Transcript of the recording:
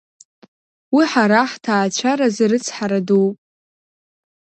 Уи ҳара ҳҭаацәаразы рыцҳара дууп.